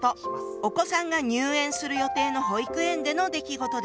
お子さんが入園する予定の保育園での出来事でした。